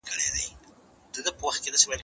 زه مخکي اوبه څښلې وې!؟